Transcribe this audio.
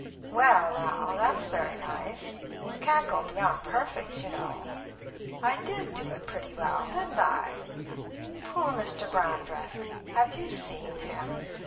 "Well, now, that's very nice; you can't go beyond perfect, you know. I did do it pretty well, didn't I? Poor Mr. Brandreth! Have you seen him?